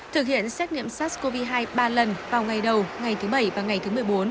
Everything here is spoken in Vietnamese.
thực hiện xét nghiệm sars cov hai ba lần vào ngày đầu ngày thứ bảy và ngày thứ một mươi bốn